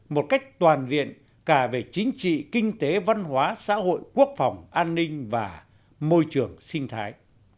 một cách toàn diện cả về chính trị kinh tế văn hóa xã hội quốc phòng an ninh và môi trường sinh thái